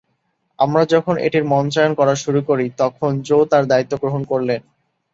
আমরা যখন এটির মঞ্চায়ন করা শুরু করি তখন জো তার দায়িত্ব গ্রহণ করলেন।